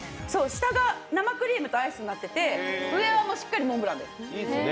下が生クリームとアイスになってて上はしっかりモンブランです。